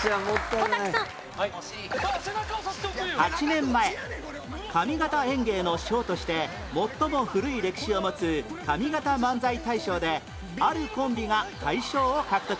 ８年前上方演芸の賞として最も古い歴史を持つ上方漫才大賞であるコンビが大賞を獲得